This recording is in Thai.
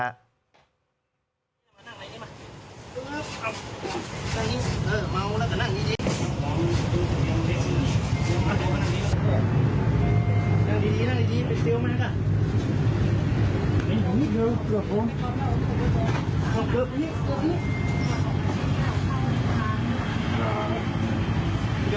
ตรงนี้นะครับ